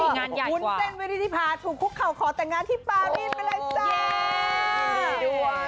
งานใหญ่กว่าวุ้นเส้นวินิธิภาคถูกคุกเข่าขอแต่งงานที่ปารีสไปแล้วจ้า